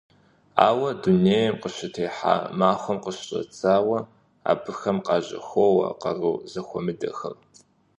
Ауэ, дунейм къыщытехьа махуэм къыщыщIэдзауэ абыхэм къажьэхоуэ къару зэхуэмыдэхэр.